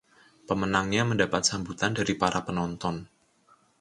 Pemenangnya mendapat sambutan dari para penonton.